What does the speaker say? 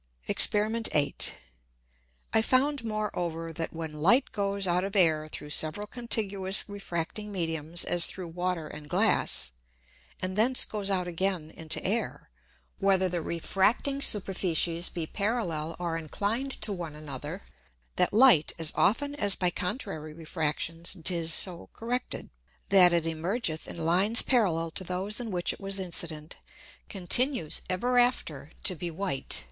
Exper. 8. I found moreover, that when Light goes out of Air through several contiguous refracting Mediums as through Water and Glass, and thence goes out again into Air, whether the refracting Superficies be parallel or inclin'd to one another, that Light as often as by contrary Refractions 'tis so corrected, that it emergeth in Lines parallel to those in which it was incident, continues ever after to be white.